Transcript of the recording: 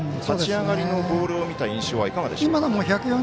立ち上がりのボールを見た印象はいかがでしょうか？